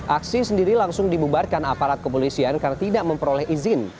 aksi sendiri langsung dibubarkan aparat kepolisian karena tidak memperoleh izin